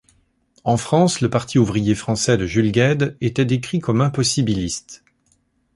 En France le Parti ouvrier français de Jules Guesde était décrit comme impossibiliste.